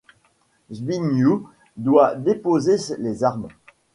Zbigniew doit déposer les armes.